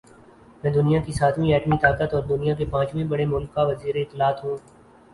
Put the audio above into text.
میں دنیا کی ساتویں ایٹمی طاقت اور دنیا کے پانچویں بڑے مُلک کا وزیراطلاعات ہوں